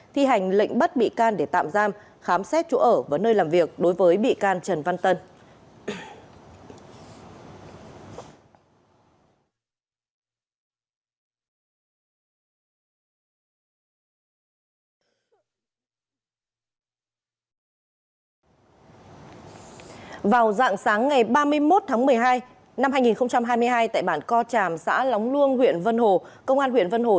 thi hành lệnh bắt bị can để tạm giam khám xét chỗ ở và nơi làm việc đối với bị can trần văn tân